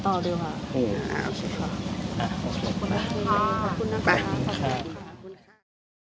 โปรดติดตามตอนต่อไป